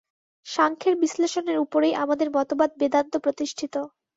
সাংখ্যের বিশ্লেষণের উপরেই আমাদের মতবাদ বেদান্ত প্রতিষ্ঠিত।